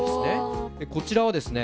こちらはですね